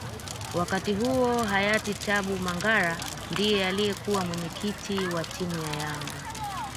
Wakati huo Hayati Tabu Mangara ndiye aliyekuwa mwenyekiti wa timu ya yanga